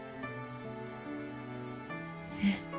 えっ？